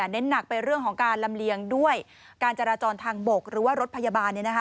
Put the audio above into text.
เน้นหนักไปเรื่องของการลำเลียงด้วยการจราจรทางบกหรือว่ารถพยาบาล